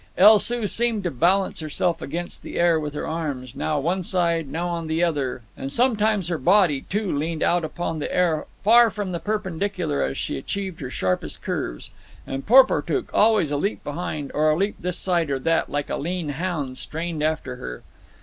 El Soo seemed to balance herself against the air with her arms, now one side, now on the other, and sometimes her body, too, leaned out upon the air far from the perpendicular as she achieved her sharpest curves. And Porportuk, always a leap behind, or a leap this side or that, like a lean hound strained after her.